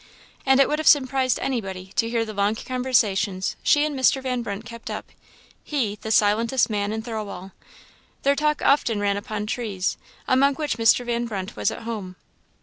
And it would have surprised anybody to hear the long conversations she and Mr. Van Brunt kept up he, the silentest man in Thirlwall! Their talk often ran upon trees, among which Mr. Van Brunt was at home.